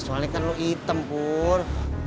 soalnya kan lo item pur